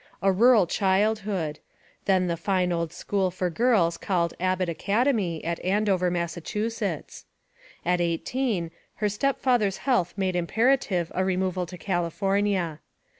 A rural childhood; then the fine old school for girls called Abbott Academy, at Andover, Massachusetts. At eighteen her step father's health made imperative 'a removal to California.